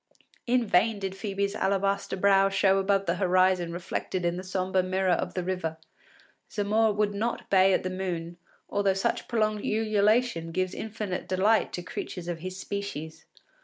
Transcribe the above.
In vain did Phœbe’s alabaster brow show above the horizon reflected in the sombre mirror of the river; Zamore would not bay at the moon, although such prolonged ululation gives infinite delight to creatures of his species.